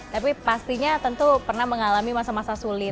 tapi pastinya tentu pernah mengalami masa masa sulit